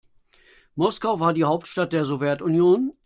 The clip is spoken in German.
Moskau war die Hauptstadt der Sowjetunion.